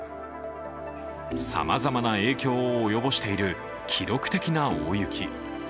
さまざまな影響を及ぼしている記録的な大雪。